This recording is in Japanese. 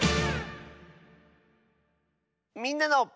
「みんなの」。